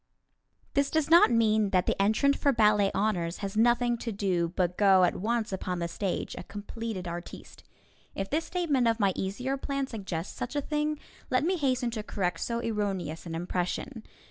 This does not mean that the entrant for ballet honors has nothing to do but go at once upon the stage, a completed artiste. If this statement of my easier plan suggests such a thing, let me hasten to correct so erroneous an impression.